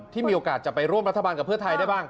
มีโอกาสจะไปร่วมรัฐบาลกับเพื่อไทยได้บ้าง